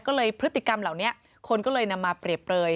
ก็เลยพฤติกรรมเหล่านี้คนก็เลยนำมาเปรียบเปลย